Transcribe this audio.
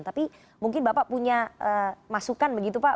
tapi mungkin bapak punya masukan begitu pak